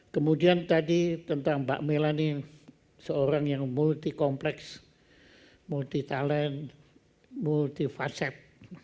kemudian tadi tentang mbak melani seorang yang multi kompleks multi talent multifatcept